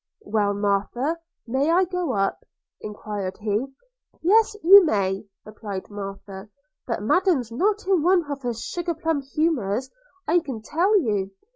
'Well, Martha, may I go up?' enquired he. 'Yes, you may,' replied Martha; 'but Madam's not in one of her sugar plum humours, I can tell you.